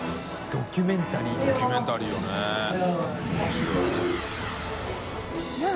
ドキュメンタリーよね面白い。